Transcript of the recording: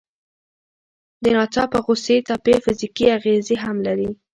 د ناڅاپه غوسې څپې فزیکي اغېزې هم لري.